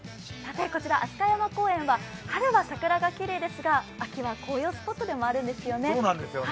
こちら飛鳥山公園は春は桜がきれいですが秋は紅葉スポットでもあるんですよね。